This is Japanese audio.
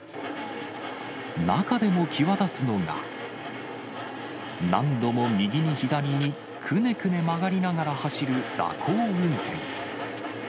中でも際立つのが、何度も右に左に、くねくね曲がりながら走る蛇行運転。